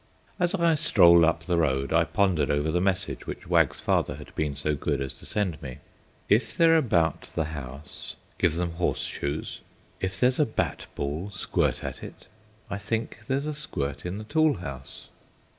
As I strolled up the road I pondered over the message which Wag's father had been so good as to send me. "If they're about the house, give them horseshoes; if there's a bat ball, squirt at it. I think there's a squirt in the tool house."